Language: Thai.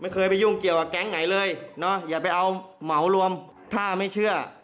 เคยไปยุ่งเกี่ยวกับแก๊งไหนเลยเนาะอย่าไปเอาเหมารวมถ้าไม่เชื่อ